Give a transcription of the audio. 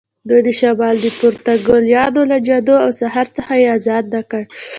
دوی د شمال د پروتوکولیانو له جادو او سحر څخه یې آزاد نه کړ.